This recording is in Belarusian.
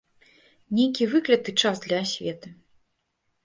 Нейкі выкляты час для асветы.